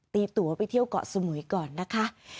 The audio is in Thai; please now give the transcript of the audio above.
ตีตัวไปเที่ยวเกาะสมุยก่อนนะคะ